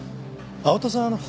青田さん